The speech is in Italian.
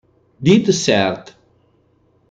Dead Cert